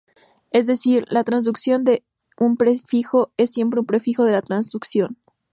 Es decir, la transducción de un prefijo es siempre un prefijo de la transducción.